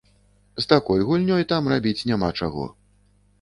З такой гульнёй там рабіць няма чаго.